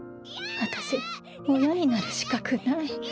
私親になる資格ない。